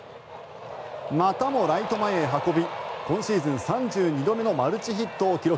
またもライト前へ運び今シーズン３２度目のマルチヒットを記録。